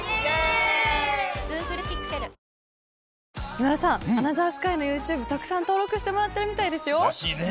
今田さん『アナザースカイ』のＹｏｕＴｕｂｅたくさん登録してもらってるみたいですよ。らしいね。